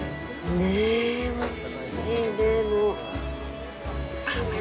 ねえ、おいしいねえ。